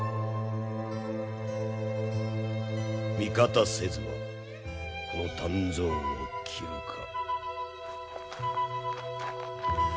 味方せずばこの湛増を斬るか？